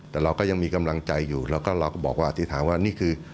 แต่เราก็ยังมีกำลังใจอยู่เราก็บอกว่าอธิษฐานี่คือ